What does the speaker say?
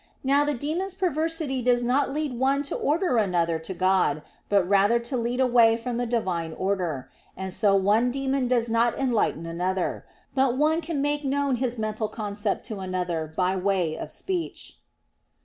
Now the demon's perversity does not lead one to order another to God, but rather to lead away from the Divine order; and so one demon does not enlighten another; but one can make known his mental concept to another by way of speech.